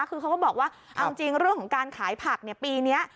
คือเขาก็บอกว่าเอาจริงเรื่องของการขายผักปีนี้